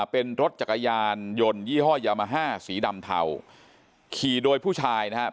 เป็นรถจักรยานยนต์ยี่ห้อยามาฮ่าสีดำเทาขี่โดยผู้ชายนะครับ